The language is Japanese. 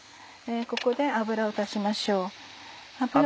ここで油を足しましょう。